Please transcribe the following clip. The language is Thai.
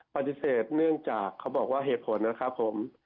ปฏิเสธเนื่องจากเขาบอกว่าเหตุผลนะครับผม